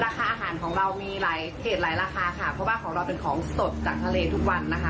อาหารของเรามีหลายเขตหลายราคาค่ะเพราะว่าของเราเป็นของสดจากทะเลทุกวันนะคะ